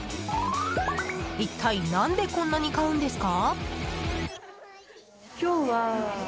一体、何でこんなに買うんですか？